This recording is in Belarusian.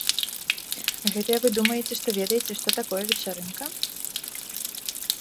Гэтыя вы думаеце, што ведаеце, што такое вечарынка.